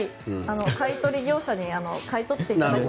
買い取り業者に買い取ってもらって。